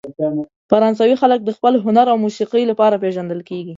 فرانسوي خلک د خپل هنر او موسیقۍ لپاره پېژندل کیږي.